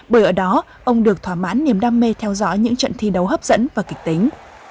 bởi ở đó ông được thỏa mãn niềm đam mê theo dõi những trận thi đấu hấp dẫn và kịch tính